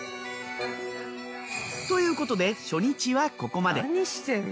ということで初日はここまで。